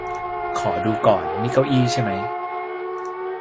ขอดูก่อน นี่เก้าอี้ใช่มั้ย